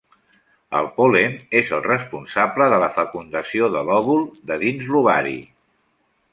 El pol·len és el responsable de la fecundació de l'òvul de dins l'ovari.